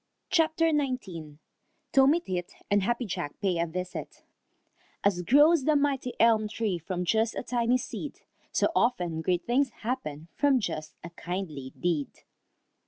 CHAPTER XIX TOMMY TIT AND HAPPY JACK PAY A VISIT As grows the mighty elm tree, From just a tiny seed, So often great things happen From just a kindly deed.